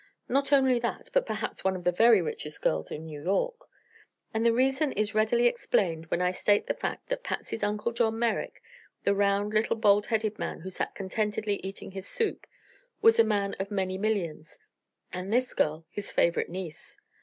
Not only that, but perhaps one of the very richest girls in New York. And the reason is readily explained when I state the fact that Patsy's Uncle John Merrick, the round little bald headed man who sat contentedly eating his soup, was a man of many millions, and this girl his favorite niece.